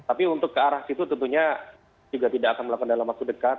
jadi untuk kearah situ tentunya juga tidak akan melakukan dalam waktu dekat